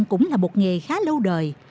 cũng là một nghề khá lâu đời